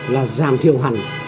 là giảm thiêu hẳn